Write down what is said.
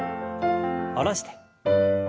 下ろして。